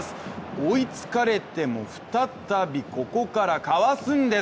追いつかれても再びここからかわすんです。